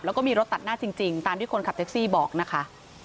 แล้วก็มีรถตัดหน้าจริงตามที่คนขับแท็กซี่บอกนะคะ